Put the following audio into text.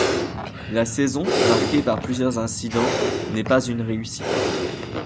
La saison, marquée par plusieurs incidents, n'est pas une réussite.